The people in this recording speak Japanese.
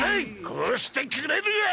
こうしてくれるわ！